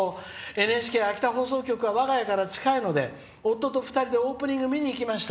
ＮＨＫ秋田放送局は我が家から近いので夫と２人でオープニングを見に行きました。